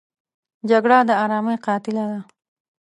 جګړه د آرامۍ قاتله ده